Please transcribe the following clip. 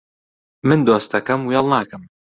من دۆستەکەم وێڵ ناکەم